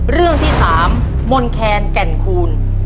เรื่องที่๓มนแคนแก่นคูณ